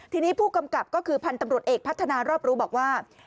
ทีนี้ผู้กำกับก็คือพันธุ์ตำรวจเอกพัฒนารอบรู้บอกว่า